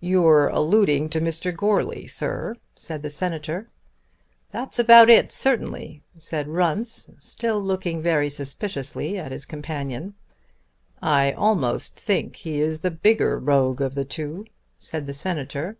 "You're alluding to Mr. Goarly, Sir?" said the Senator. "That's about it, certainly," said Runce, still looking very suspiciously at his companion. "I almost think he is the bigger rogue of the two," said the Senator.